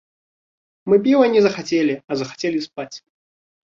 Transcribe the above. Мы піва не захацелі, а захацелі спаць.